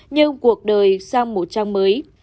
nhưng cuộc đời sang một trang mới